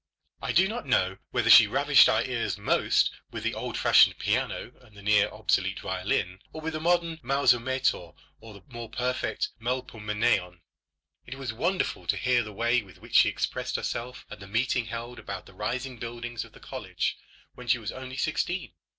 I do not know whether she ravished our ears most with the old fashioned piano and the nearly obsolete violin, or with the modern mousometor, or the more perfect melpomeneon. It was wonderful to hear the way with which she expressed herself at the meeting held about the rising buildings of the college when she was only sixteen.